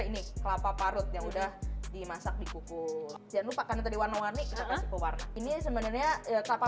ini kelapa parut yang udah dimasak dikukur jangan lupa karena tadi warna warni kita kasih pewarna ini sebenarnya kelapa